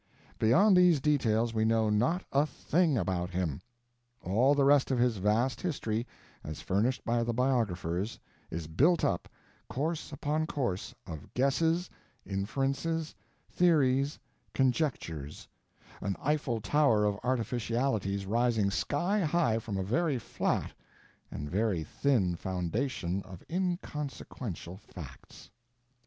Beyond these details we know not a thing about him. All the rest of his vast history, as furnished by the biographers, is built up, course upon course, of guesses, inferences, theories, conjectures—an Eiffel Tower of artificialities rising sky high from a very flat and very thin foundation of inconsequential facts.